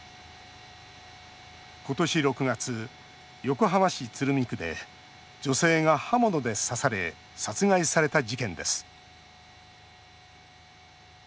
今年６月、横浜市鶴見区で女性が刃物で刺され殺害された事件です。